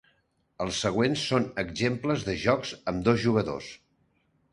Els següents són exemples de jocs amb dos jugadors.